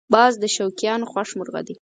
باز د شوقیانو خوښ مرغه دی